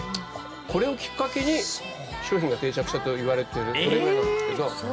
これをきっかけに商品が定着したといわれているそれぐらいなんですけど。